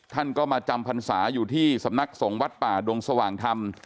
ท่านก็มาจำพรรษาอยู่ที่สำนักสงฆ์วัดป่าดงสว่างธรรม